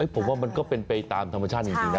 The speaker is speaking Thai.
ผมว่ามันก็เป็นไปตามธรรมชาติจริงนะ